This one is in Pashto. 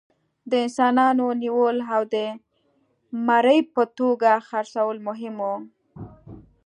د انسانانو نیول او د مري په توګه خرڅول مهم وو.